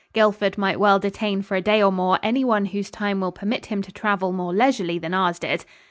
Guildford might well detain for a day or more anyone whose time will permit him to travel more leisurely than ours did.